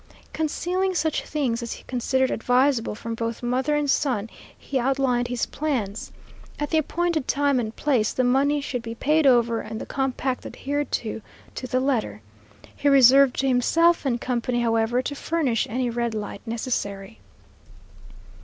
Concealing such things as he considered advisable from both mother and son, he outlined his plans. At the appointed time and place the money should be paid over and the compact adhered to to the letter. He reserved to himself and company, however, to furnish any red light necessary.